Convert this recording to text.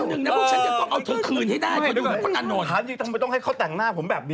วันหนึ่งนะพวกฉันจะควรเอาทุกคลืนให้ได้